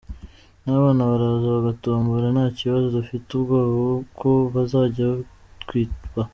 N’abana baraza bagatombora nta kibazo, dufite ubwoba ko bazajya batwiba.